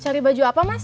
cari baju apa mas